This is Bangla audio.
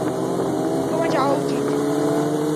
তোমার যাওয়া উচিত।